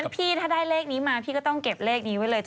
พี่ถ้าได้เลขนี้มาพี่ก็ต้องเก็บเลขนี้ไว้เลย